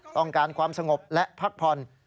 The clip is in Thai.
ต้องการความสงบและพักพล